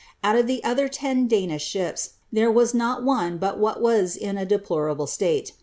Out of the other ten Danish ships, there was not one but what was in a deplorable state.